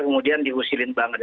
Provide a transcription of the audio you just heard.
kemudian diusilin banget